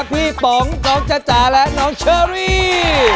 พี่ป๋องจองจ๊ะจ๋าและน้องเชอร์รี่